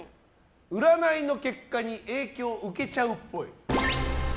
占いの結果に影響受けちゃうっぽい。